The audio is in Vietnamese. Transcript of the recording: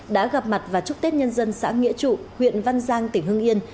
đã gặp mặt và chúc tết nhân dân xã nghĩa trụ huyện văn giang tỉnh hưng yên